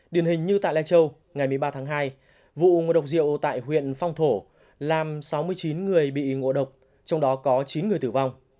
điển hình như tại lai châu ngày một mươi ba tháng hai vụ ngộ độc rượu tại huyện phong thổ làm sáu mươi chín người bị ngộ độc trong đó có chín người tử vong